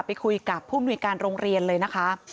ไปคุยกับผู้มนุยการโรงเรียนเลยนะคะ